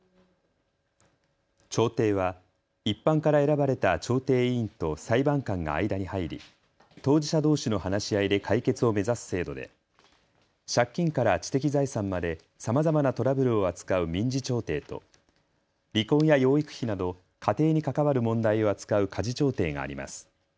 調停は一般から選ばれた調停委員と裁判官が間に入り当事者どうしの話し合いで解決を目指す制度で借金から知的財産までさまざまなトラブルを扱う民事調停と離婚や養育費など家庭に関わる問題を扱う家事調停があります。